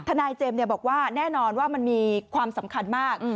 นายเจมส์บอกว่าแน่นอนว่ามันมีความสำคัญมาก